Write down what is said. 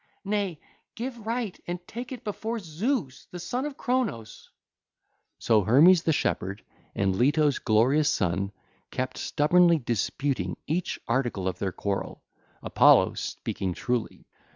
Nay, give right and take it before Zeus, the Son of Cronos.' (ll. 313 326) So Hermes the shepherd and Leto's glorious son kept stubbornly disputing each article of their quarrel: Apollo, speaking truly....